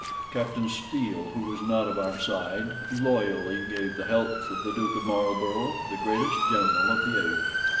Captain Steele, who was not of our side, loyally gave the health of the Duke of Marlborough, the greatest general of the age.